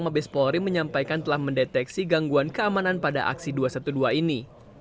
mabes polri menyampaikan telah mendeteksi gangguan keamanan pada aksi dua ratus dua belas ini